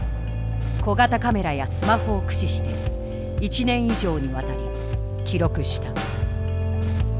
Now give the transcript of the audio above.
小型カメラやスマホを駆使して１年以上にわたり記録した。